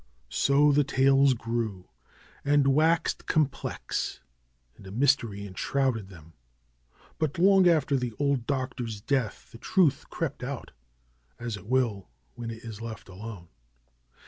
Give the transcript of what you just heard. So the tales grew, and waxed complex, and a mystery enshrouded fhem. But long after the old doctor's death the truth crept out, as it will when it is left alone.